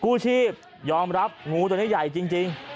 กู้ชีพยอมรับงูตัวนี้ใหญ่จริง